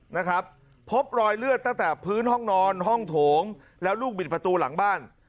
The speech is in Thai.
นะครับพบรอยเลือดตั้งแต่พื้นห้องนอนห้องโถงแล้วลูกบิดประตูหลังบ้าน